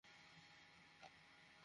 সোনার নূপুর খুব একটা দেখা যায় না।